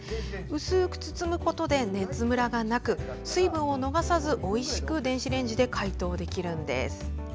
薄く包むことで熱ムラがなく水分を逃さずおいしく電子レンジで解凍できるんです。